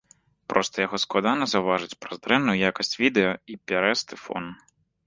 Проста яго складана заўважыць праз дрэнную якасць відэа і пярэсты фон.